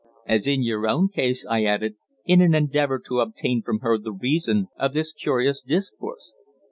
"As in your own case," I added, in an endeavour to obtain from her the reason of this curious discourse.